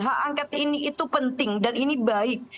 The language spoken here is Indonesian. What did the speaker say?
hak angket ini itu penting dan ini baik